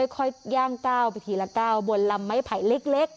ย่างก้าวไปทีละก้าวบนลำไม้ไผ่เล็ก